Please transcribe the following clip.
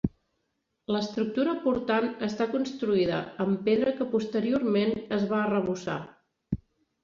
L'estructura portant està construïda amb pedra que posteriorment es va arrebossar.